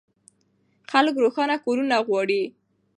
خلک روښانه کورونه غواړي.